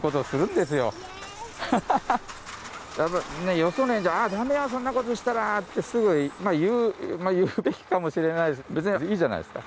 よその園じゃ「ダメよそんなことしたら」ってすぐ言うべきかもしれないですけど別にいいじゃないですか。